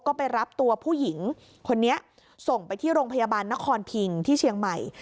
ก็ไปรับตัวผู้หญิงคนนี้ส่งไปที่โรงพยาบาลนครพิงที่เชียงใหม่